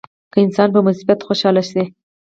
که انسان په مصیبت خوشاله شي.